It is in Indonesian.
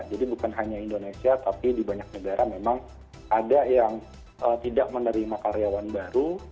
jadi bukan hanya indonesia tapi di banyak negara memang ada yang tidak menerima karyawan baru